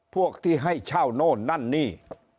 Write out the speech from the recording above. พวกที่ให้เช่าโน่นนั่นนี่